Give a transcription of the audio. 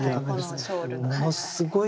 ものすごい